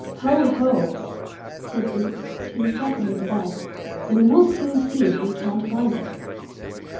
"Ho! ho!" said Boots to himself under the bed, "then we'll soon see if we can't find it."